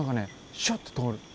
シュッと通る。